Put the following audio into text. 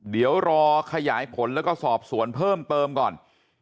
เดี๋ยวรอขยายผลแล้วก็สอบสวนเพิ่มเติมก่อน